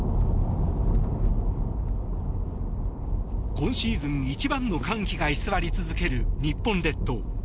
今シーズン一番の寒気が居座り続ける日本列島。